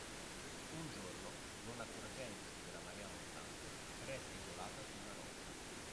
Un giorno, non accorgendosi della marea montante, resta isolata su una roccia.